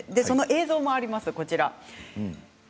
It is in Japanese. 映像もあります。